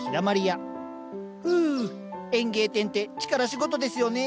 フゥ園芸店って力仕事ですよね。